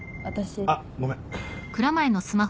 あっごめん。